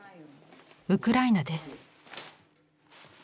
ウクライナです。